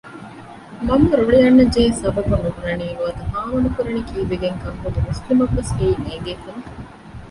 މަންމަ ރުޅި އަންނަންޖެހޭ ސަބަބު ނުބުނަނީ ނުވަތަ ހާމަ ނުކުރަނީ ކީއްވެގެންކަން ހުދު މުސްލިމަށްވެސް އެއީ ނޭންގޭ ކަމެއް